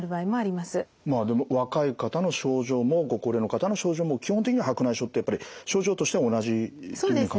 まあでも若い方の症状もご高齢の方の症状も基本的には白内障ってやっぱり症状としては同じというふうに考えていいんですか？